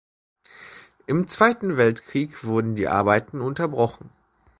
Im Zweiten Weltkrieg wurden die Arbeiten unterbrochen.